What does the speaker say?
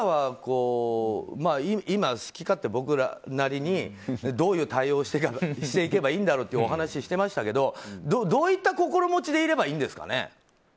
今、好き勝手僕らなりにどういう対応をしていけばいいんだろうってお話をしていましたがどういった心持でいればいいんですかね。